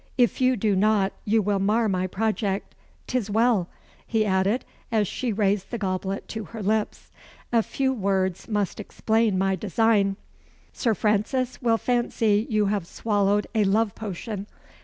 If you do not, you will mar my project. 'Tis well!" he added, as she raised the goblet to her lips. "A few words must explain my design. Sir Francis will fancy you have swallowed a love potion.